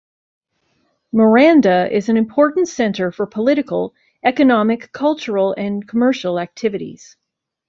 Miranda is an important center for political, economic, cultural and commercial activities.